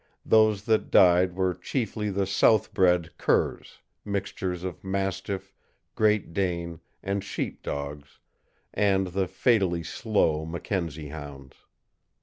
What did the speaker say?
Those that died were chiefly the south bred curs mixtures of mastiff, Great Dane, and sheep dogs and the fatally slow Mackenzie hounds.